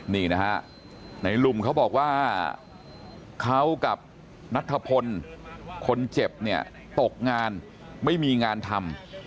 นี่นะฮะนายหลุมเค้าบอกว่าเค้ากับนัทธพลคนเจ็บตกงานไม่มีงานทำ